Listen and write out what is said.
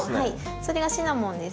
それがシナモンです。